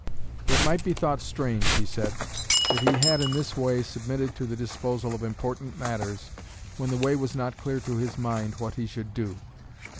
It might be thought strange, he said, that he had in this way submitted the disposal of important matters when the way was not clear to his mind what he should do.